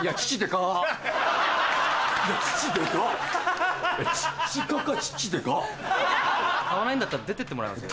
買わないんだったら出てってもらえます？